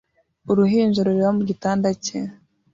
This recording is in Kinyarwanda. Uruhinja rureba mu gitanda cye